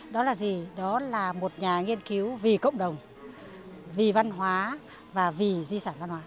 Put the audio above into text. đó là gì đó là một nhà nghiên cứu vì cộng đồng vì văn hóa và vì di sản văn hóa